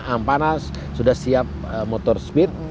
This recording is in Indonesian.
ampana sudah siap motor speed